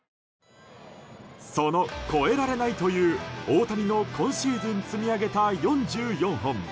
その超えられないという、大谷の今シーズン積み上げた４４本。